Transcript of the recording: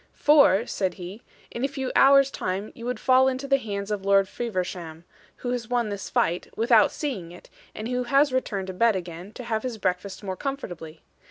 'For,' said he, 'in a few hours time you would fall into the hands of Lord Feversham, who has won this fight, without seeing it, and who has returned to bed again, to have his breakfast more comfortably.